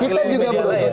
kita juga beruntung